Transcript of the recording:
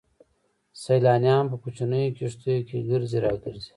سيلانيان په کوچنيو کښتيو کې ګرځي را ګرځي.